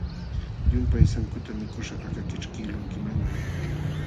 Llumpay sankuta mikuśhqa aka kićhkiqlunkimanmi.